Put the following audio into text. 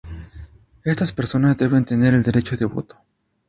Estas personas deben tener el derecho de voto.